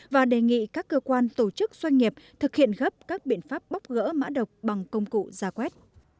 và đề nghị các cơ quan tổ chức doanh nghiệp thực hiện gấp các biện pháp bóc gỡ mã độc bằng công cụ gia quét